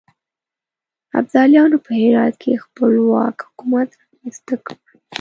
ابدالیانو په هرات کې خپلواک حکومت رامنځته کړ.